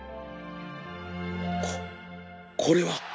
こっこれは